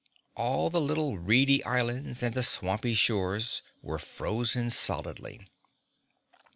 All the little reedy islands and the swampy shores were frozen solidly.